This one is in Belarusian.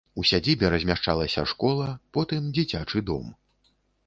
У сядзібе размяшчалася школа, потым дзіцячы дом.